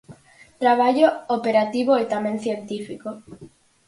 Traballo operativo e tamén científico.